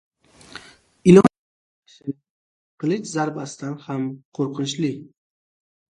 • Ilon chaqishi qilich zarbasidan ham qo‘rqinchli.